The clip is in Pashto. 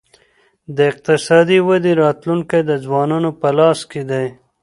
د اقتصادي ودې راتلونکی د ځوانانو په لاس کي دی.